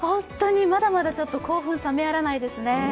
まだまだ興奮冷めやらないですね。